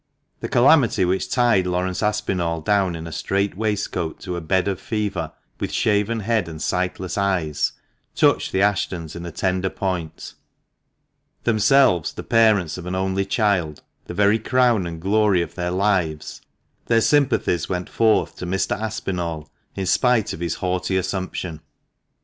The calamity which tied Laurence Aspinall down in a strait waistcoat to a bed of fever, with shaven head and sightless eyes, touched the Ashtons in a tender point. Themselves the parents of an only child, the very crown and glory of their lives, their sympathies went forth to Mr. Aspinall in spite of his haughty assumption.